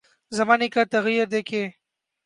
زمانے کا تغیر دیکھیے۔